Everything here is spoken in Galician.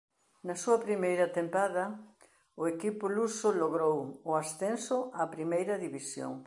Na súa primeira tempada o equipo luso logrou o ascenso á Primeira División.